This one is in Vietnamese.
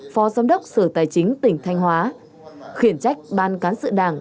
phó giám đốc sở tài chính tỉnh thanh hóa khiển trách ban cán sự đảng